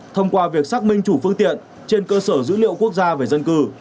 thông qua việc xác minh chủ phương tiện trên cơ sở dữ liệu quốc gia về dân cư